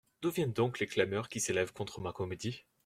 D'où viennent donc les clameurs qui s'élèvent contre ma comédie ?